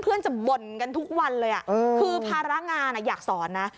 เพื่อนจะบ่นกันทุกวันเลยคือภาระงานอยากสอนนะ